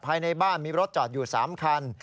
ภายในบ้านมีรถจอดอยู่๓คัน